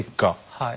はい。